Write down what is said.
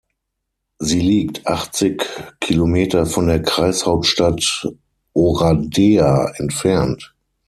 Sie liegt achtzig Kilometer von der Kreishauptstadt Oradea entfernt.